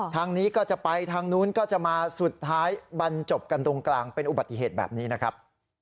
ทางนี้ก็จะไปทางนู้นก็จะมาสุดท้ายบรรจบกันตรงกลางเป็นอุบัติเหตุแบบนี้นะครับ